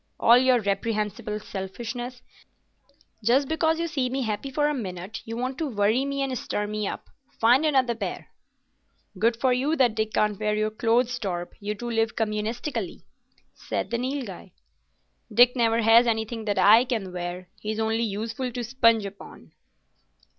"All your reprehensible selfishness. Just because you see me happy for a minute, you want to worry me and stir me up. Find another pair." "Good for you that Dick can't wear your clothes, Torp. You two live communistically," said the Nilghai. "Dick never has anything that I can wear. He's only useful to sponge upon."